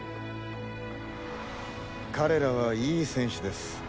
彼らはいい選手です。